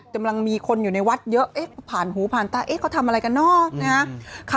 กำลังมีคนอยู่ในวัดเยอะผ่านหูผ่านตาเขาทำอะไรกันเนอะ